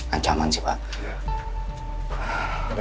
ancaman sih pak